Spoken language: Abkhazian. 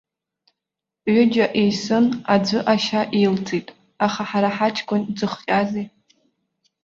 Ҩыџьа еисын, аӡәы ашьа илҵит, аха ҳара ҳаҷкәын дзыхҟьазеи?